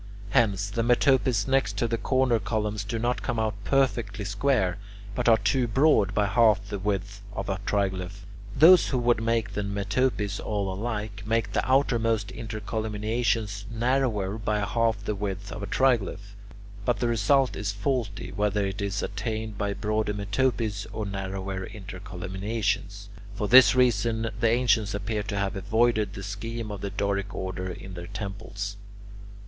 Hence the metopes next to the corner columns do not come out perfectly square, but are too broad by half the width of a triglyph. Those who would make the metopes all alike, make the outermost intercolumniations narrower by half the width of a triglyph. But the result is faulty, whether it is attained by broader metopes or narrower intercolumniations. For this reason, the ancients appear to have avoided the scheme of the Doric order in their temples.